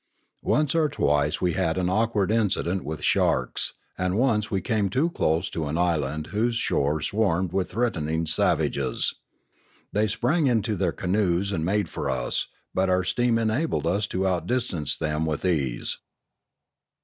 Once or twice we had an awkward incident with sharks, and once we came too close to an island whose shore swarmed with threatening savages. They sprang into their canoes and made for us, but our steam enabled us to outdistance them with ease.